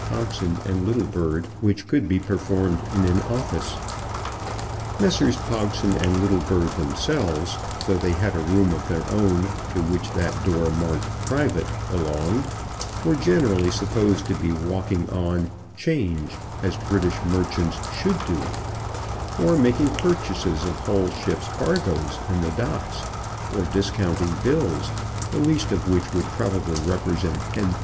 Pogson and Littlebird which could be performed in an office. Messrs. Pogson and Littlebird themselves, though they had a room of their own, to which that door marked "Private" belonged, were generally supposed to be walking on 'Change as British merchants should do, or making purchases of whole ships' cargos in the Docks, or discounting bills, the least of which would probably represent £10,000.